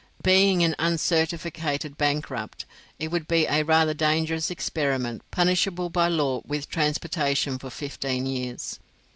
Being an uncertificated bankrupt, it would be a rather dangerous experiment, punishable by law with transportation for fifteen years."